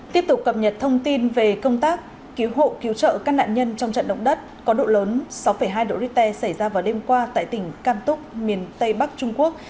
tiếp tục cập nhật thông tin về công tác cứu hộ cứu trợ các nạn nhân trong trận động đất có độ lớn sáu hai độ richter xảy ra vào đêm qua tại tỉnh cam túc miền tây bắc trung quốc